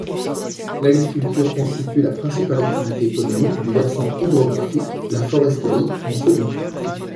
L’agriculture constitue la principale activité économique du versant hydrographique; la foresterie, en second.